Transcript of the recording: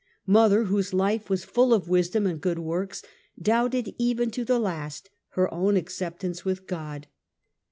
Mother, whose life was full of wisdom and good works, doubted, even to the last, her own acceptance with God.